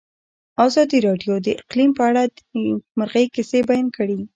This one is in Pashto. ازادي راډیو د اقلیم په اړه د نېکمرغۍ کیسې بیان کړې.